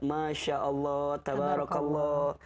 masya allah tabarak allah